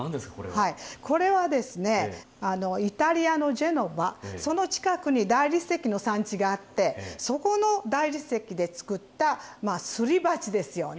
はいこれはですねイタリアのジェノバその近くに大理石の産地があってそこの大理石で作ったすり鉢ですよね。